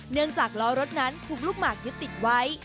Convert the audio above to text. เนื่องจากล้อรถนั้นคุกลูกหมากยึดติดไว้